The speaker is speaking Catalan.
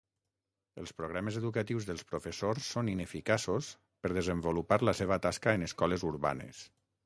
Els programes educatius dels professors són ineficaços per desenvolupar la seva tasca en escoles urbanes.